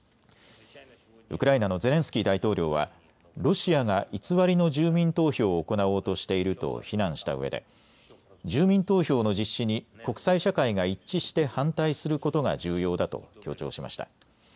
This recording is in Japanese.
ウクライナのゼレンスキー大統領はロシアが偽りの住民投票を行おうとしていると非難したうえで住民投票の実施に国際社会が一致して反対することが重要だと強調しました。